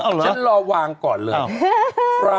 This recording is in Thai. ฉันรอวางก่อนเลย